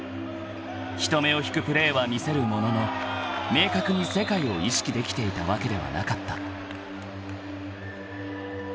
［人目を引くプレーは見せるものの明確に世界を意識できていたわけではなかった］